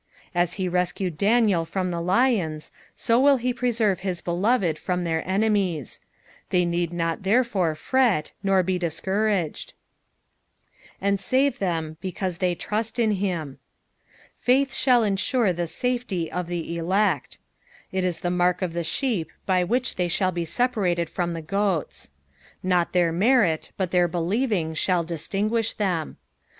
As he rescued Daniel from the lions, so will he preserve his beloved from their enemies ; they need not therefore fret, nor be discouraged. "Attd mm them, beeavte thef truit in him." Faith shall ensure tbe safety of the elect. It is tbe mark of the sheep by which they shall be separated from the goats. Not their merit, but their believing, shall distinguish them.